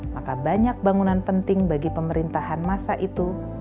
maka banyak bangunan penting bagi pemerintahan masa itu